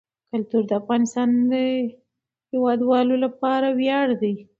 کلتور د افغانستان د هیوادوالو لپاره ویاړ دی.